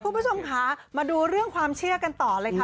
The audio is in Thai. คุณผู้ชมขามาดูเรื่องความเชี่ยวกันต่ออะไรคะ